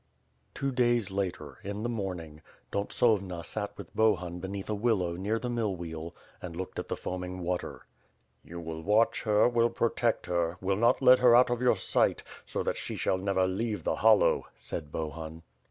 Two days later, in the morning, Dontsovna sat with Bohnn beneath a willow near the mill wheel and looked at the foam ing water. "You will watch her, will protect her, will not let her out of your sight, so that she shall never leave the Hollow!" said Bohun.